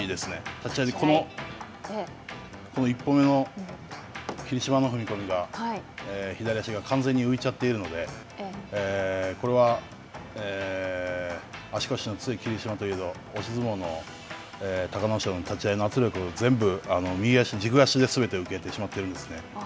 立ち合いで、この１歩目の霧島の踏み込みが左足が完全に浮いちゃっているので、これは、足腰の強い霧島といえど、押し相撲の隆の勝の立ち合いの圧力、全部、右足、軸足ですべて受けてしまっているんですね。